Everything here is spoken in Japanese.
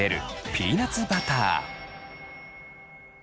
ピーナツバター！